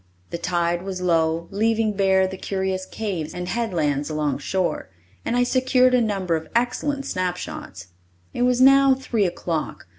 The tide was low, leaving bare the curious caves and headlands along shore, and I secured a number of excellent snapshots. It was now three o'clock.